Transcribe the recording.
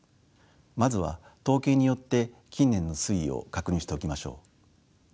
まずは統計によって近年の推移を確認しておきましょう。